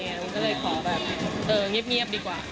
มันก็เลยขอแบบเงียบดีกว่า